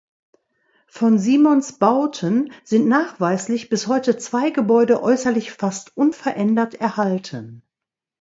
Von Simons Bauten sind nachweislich bis heute zwei Gebäude äußerlich fast unverändert erhalten.